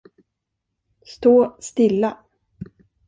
Stå stilla.